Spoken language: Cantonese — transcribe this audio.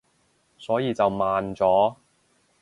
所以就慢咗